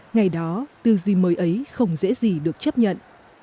ngày đó tư duy mới ấy không dễ gì được chấp nhận